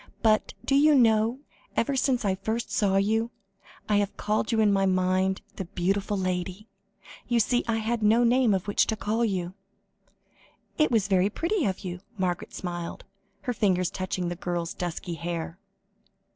But, do you know, ever since I first saw you, I have called you in my mind 'the beautiful lady.' You see, I had no name by which to call you." "It was very pretty of you," Margaret smiled, her fingers touching the girl's dusky hair.